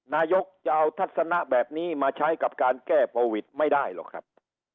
นายกจะเอาทัศนะแบบนี้มาใช้กับการแก้โควิดไม่ได้หรอกครับ